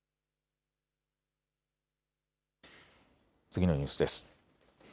次のニュースです。